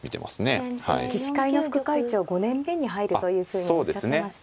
棋士会の副会長５年目に入るというふうにおっしゃってました。